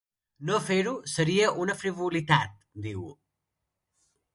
No fer-ho ‘seria una frivolitat’, diu.